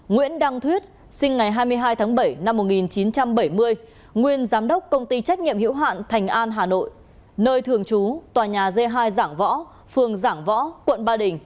nguyễn đăng thuyết sinh ngày hai mươi hai tháng bảy năm một nghìn chín trăm bảy mươi nguyên giám đốc công ty trách nhiệm hữu hạn thành an hà nội nơi thường trú tòa nhà g hai giảng võ phường giảng võ quận ba đình